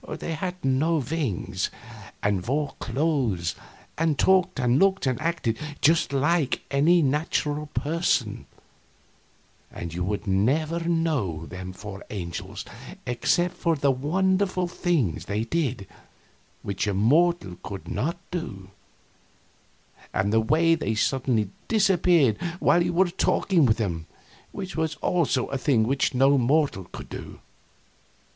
They had no wings, and wore clothes, and talked and looked and acted just like any natural person, and you would never know them for angels except for the wonderful things they did which a mortal could not do, and the way they suddenly disappeared while you were talking with them, which was also a thing which no mortal could do.